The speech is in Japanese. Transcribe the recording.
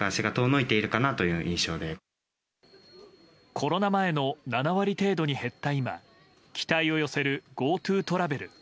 コロナ前の７割程度に減った今期待を寄せるＧｏＴｏトラベル。